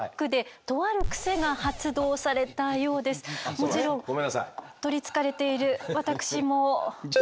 もちろん取りつかれている私も。ごめんなさい。